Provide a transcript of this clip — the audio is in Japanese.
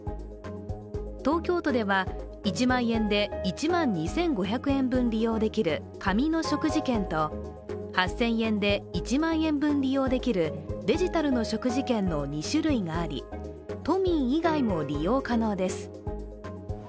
東京都では、１万円で１万２５００円分利用できる紙の食事券と８０００円で１万円分利用できるデジタルの食事券の２種類があり都民以外も利用可能です。